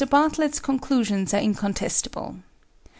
Bartlett's conclusions are incontestable.